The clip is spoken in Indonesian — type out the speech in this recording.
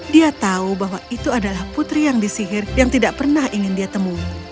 dia tahu bahwa itu adalah putri yang disihir yang tidak pernah ingin dia temui